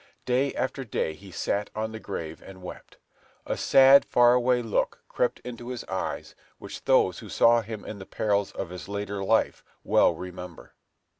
Day after day he sat on the grave and wept. A sad, far away look crept into his eyes, which those who saw him in the perils of his later life well remember.